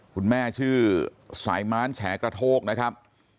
คุณแม่ชื่อสายม้านแฉกระโทกนะครับ